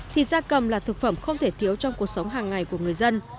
thì gia cầm là thực phẩm không thể thiếu trong cuộc sống hàng ngày của người dân